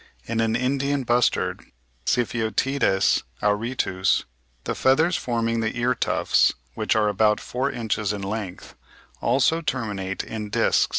In an Indian bustard (Sypheotides auritus) the feathers forming the ear tufts, which are about four inches in length, also terminate in discs.